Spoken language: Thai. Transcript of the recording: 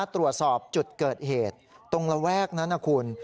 ตรวจสอบจุดเกิดเหตุตรงระแวกนั้นนะคุณ